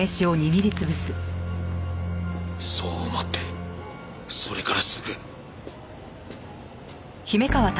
そう思ってそれからすぐ！